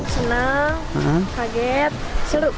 senang kaget seru